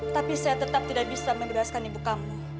tapi saya tetap tidak bisa membebaskan ibu kamu